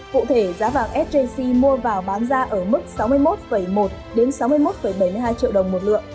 cụ thể giá vàng sjc mua vào bán ra ở mức sáu mươi một một sáu mươi một bảy mươi hai triệu đồng một lượng